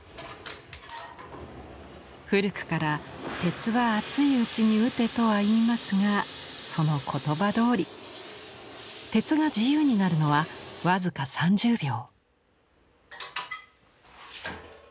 古くから「鉄は熱いうちに打て」とは言いますがその言葉どおり鉄が自由になるのは僅か３０秒。